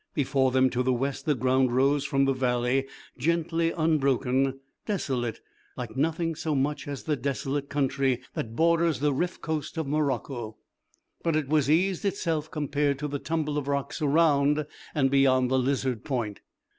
Before them to the west the ground rose from the valley, gently, unbroken, desolate, like nothing so much as the desolate country that borders the Riff coast of Morocco. But it was ease itself compared to the tumble of rocks around and beyond the Lizard Point.